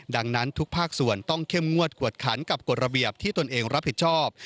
ดังนั้นทุกภาคส่วนต้องเข้มงวดกวดขันกับกฎระเบียบที่ตนเองรับผิดชอบ